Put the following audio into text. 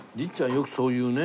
よくそう言うね。